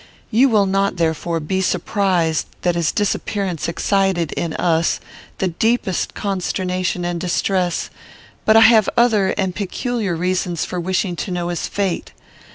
You will not, therefore, be surprised that his disappearance excited, in us, the deepest consternation and distress; but I have other and peculiar reasons for wishing to know his fate.